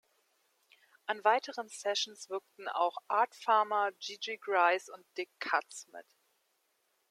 An weiteren Sessions wirkten auch Art Farmer, Gigi Gryce und Dick Katz mit.